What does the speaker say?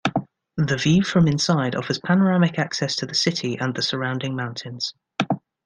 The view from inside offers panoramic access to the city and the surrounding mountains.